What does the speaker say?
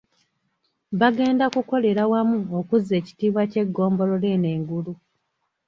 Bagenda kukolera wamu okuzza ekitiibwa ky'eggombolola eno engulu.